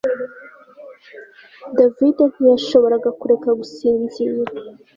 David ntiyashoboraga kureka gusinzira